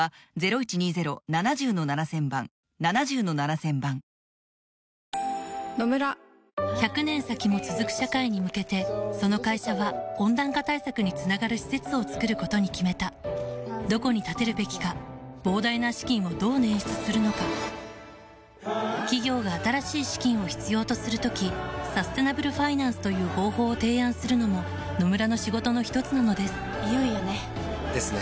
また、青木容疑者が寺に出入り禁止となっていたことも新たに分かっていて１００年先も続く社会に向けてその会社は温暖化対策につながる施設を作ることに決めたどこに建てるべきか膨大な資金をどう捻出するのか企業が新しい資金を必要とする時サステナブルファイナンスという方法を提案するのも野村の仕事のひとつなのですいよいよね。ですね。